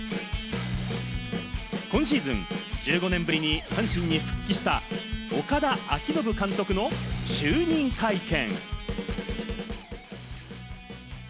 今シーズン１５年ぶりに阪神に復帰した、岡田彰布監督の就任会見。